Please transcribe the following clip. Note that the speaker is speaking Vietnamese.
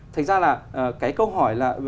thành ra là cái câu hỏi là